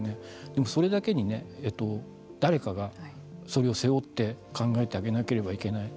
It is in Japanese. でもそれだけに誰かがそれを背負って考えてあげなければいけない